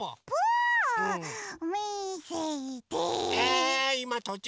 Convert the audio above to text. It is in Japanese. うみせて！